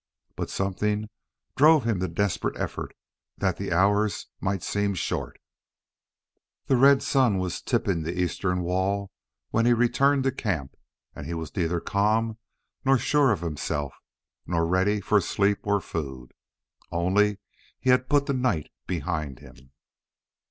But something drove him to desperate effort, that the hours might seem short. ........... The red sun was tipping the eastern wall when he returned to camp, and he was neither calm nor sure of himself nor ready for sleep or food. Only he had put the night behind him.